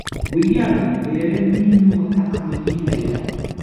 وریا بن، لێرە مین و تەقەمەنی هەیە